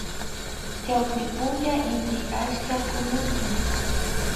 Chawpy punlla inti achka kunuchin.